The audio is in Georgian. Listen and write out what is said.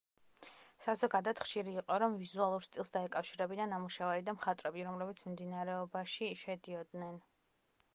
საზოგადოდ, ხშირი იყო, რომ ვიზუალურ სტილს დაეკავშირებინა ნამუშევარი და მხატვრები, რომლებიც მიმდინარეობაში შედიოდნენ.